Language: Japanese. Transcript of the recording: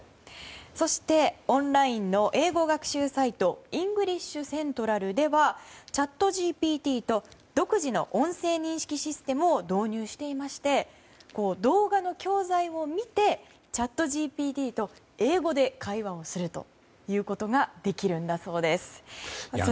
そして、オンラインの英語学習サイトイングリッシュセントラルではチャットＧＰＴと独自の音声認識システムを導入していまして動画の教材を見てチャットＧＰＴと英語で会話をするということができるんだそうです。